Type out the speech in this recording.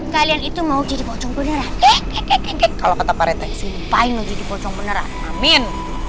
kalian itu mau jadi pocong beneran kekek kalau kata parete simpain jadi pocong beneran amin